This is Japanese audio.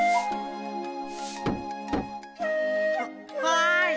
はい。